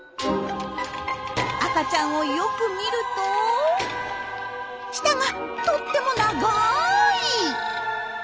赤ちゃんをよく見ると舌がとっても長い！